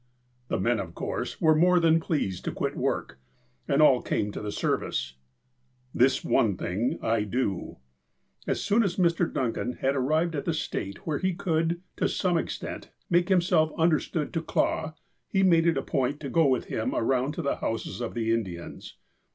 The men, of course, were more than pleased to quit work, and all came to the service. "This one thiug I do." As soon as Mr. Duncan had arrived at the state where he could, to some extent, make himself understood to Clah, he made it a point to go with him around to the houses of the Indians.